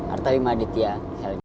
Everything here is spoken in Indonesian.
artali mahaditya helmy